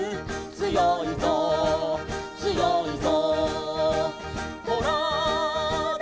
「つよいぞつよいぞ」